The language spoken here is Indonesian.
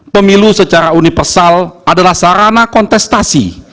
pemilu secara universal adalah sarana kontestasi